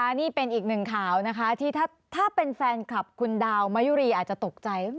นี่เป็นอีกหนึ่งข่าวนะคะที่ถ้าเป็นแฟนคลับคุณดาวมายุรีอาจจะตกใจ